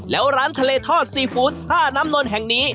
แล้วร้านทะเลทอดซีฟู้ดท่าน้ำนนท์แห่งนี้